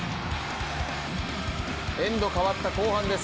エンド変わった後半です